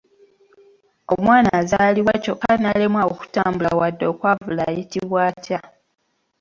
Omwana azaalibwa ky'okka n'alemwa okutambula wadde okwavula ayitibwa atya?